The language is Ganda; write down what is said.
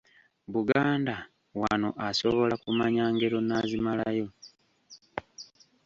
Buganda wano asobola kumanya ngero n’azimalayo.